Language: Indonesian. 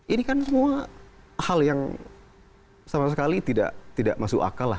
ini kan semua hal yang sama sekali tidak masuk akal lah